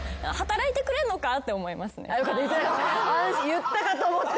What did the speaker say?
言ったかと思った。